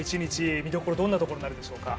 見どころどんなところでしょうか？